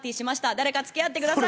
誰かつきあってください。